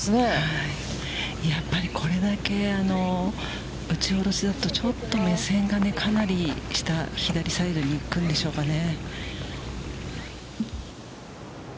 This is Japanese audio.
やっぱり、これだけ打ち下ろしだと、ちょっと目線が、下、左サイドに行くんでしょうかね。